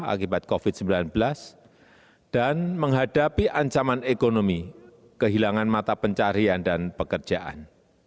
akibat covid sembilan belas dan menghadapi ancaman ekonomi kehilangan mata pencarian dan pekerjaan